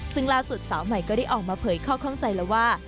ซึ่งล่าสุดสาวใหม่ก็ได้ออกมาเผยข้อข้องใจแล้วว่า